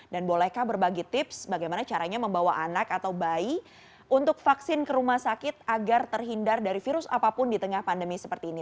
dan bolehkah berbagi tips bagaimana caranya membawa anak atau bayi untuk vaksin ke rumah sakit agar terhindar dari virus apapun di tengah pandemi seperti ini